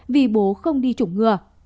vì bố không đi chủng ngừa